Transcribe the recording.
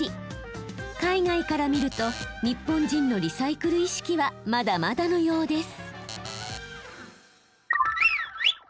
海外から見ると日本人のリサイクル意識はまだまだのようです。